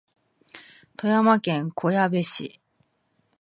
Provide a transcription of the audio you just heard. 富山県小矢部市